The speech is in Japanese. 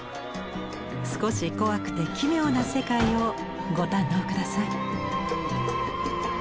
少し怖くて奇妙な世界をご堪能下さい。